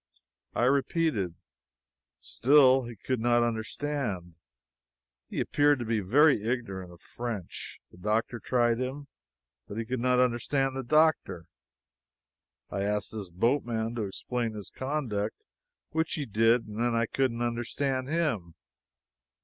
I repeated. Still he could not understand. He appeared to be very ignorant of French. The doctor tried him, but he could not understand the doctor. I asked this boatman to explain his conduct, which he did; and then I couldn't understand him.